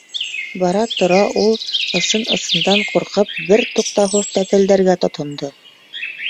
Бара-тора ул, ысын-ысындан ҡурҡып, бер туҡтауһыҙ тәтелдәргә тотондо: